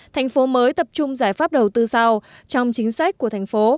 thành phố mới tập trung giải pháp đầu tư sau trong chính sách của thành phố